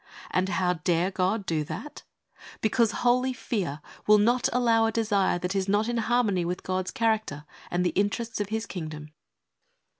And how dare God do that ? Because holy fear will not allow a desire that is not in harmony with God's character and the interests of His Kingdom.